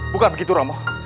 bukan begitu romo